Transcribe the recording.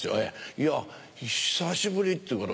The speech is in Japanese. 「いや久しぶり」って言うから。